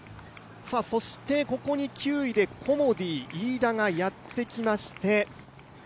そしてここに９位でコモディイイダがやってきました。